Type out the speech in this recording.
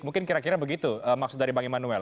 mungkin kira kira begitu maksud dari bang immanuel